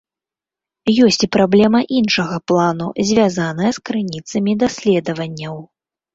Ёсць і праблема іншага плану, звязаная з крыніцамі даследаванняў.